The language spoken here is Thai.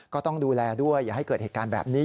ก็ต้องดูแลด้วยอย่าให้เกิดเหตุการณ์แบบนี้